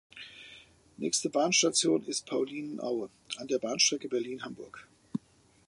Nächste Bahnstation ist Paulinenaue an der Bahnstrecke Berlin–Hamburg.